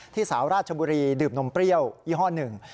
สาวราชบุรีดื่มนมเปรี้ยวยี่ห้อหนึ่ง